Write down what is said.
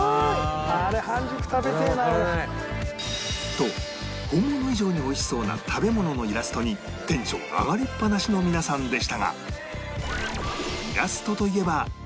と本物以上に美味しそうな食べ物のイラストにテンション上がりっぱなしの皆さんでしたが